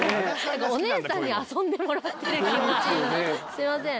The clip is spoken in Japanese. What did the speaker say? すいません。